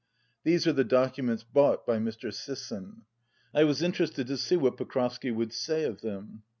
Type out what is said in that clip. These are the docu ments bought by Mr. Sisson. I was interested to see what Pokrovsky would say of them.